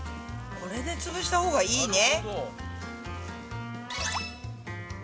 これでつぶしたほうがいいね。